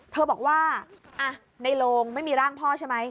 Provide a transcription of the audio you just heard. เธอบอกว่าในโรงไม่มีร่างพ่อใช่ไหม